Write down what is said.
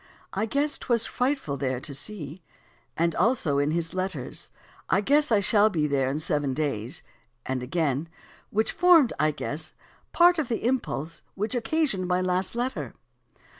32), "I guess, 'twas frightful there to see," and also in his letters, "I guess I shall be there in seven days" (vol. I, p. 434); and again (vol. II, p. 664), "which formed, I guess, part of the impulse which occasioned my last letter."